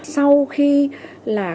sau khi là các cơ quan tiến hành